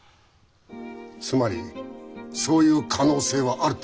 つまりそういう可能性はあると？